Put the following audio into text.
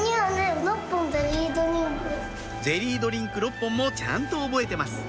ゼリードリンク６本もちゃんと覚えてます